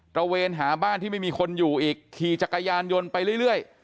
ระเวนหาบ้านที่ไม่มีคนอยู่อีกขี่จักรยานยนต์ไปเรื่อย